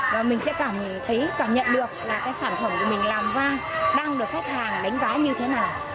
và mình sẽ cảm nhận được sản phẩm của mình làm và đăng được khách hàng đánh giá như thế nào